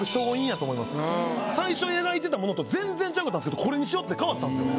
最初描いてたものと全然ちゃうかったんすけど「これにしよう！」って変わったんすよ。